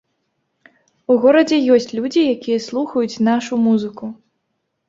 У горадзе ёсць людзі, якія слухаюць нашу музыку.